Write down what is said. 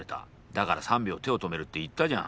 だから３秒手を止めるって言ったじゃん。